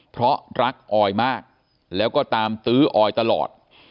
เพราะรักออยมากแล้วก็ตามตื้อออยตลอด